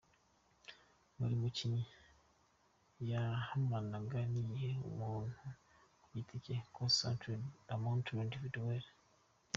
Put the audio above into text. Buri mukinnyi yahanganaga n’igihe umuntu ku giti cye, course contre la montre individuel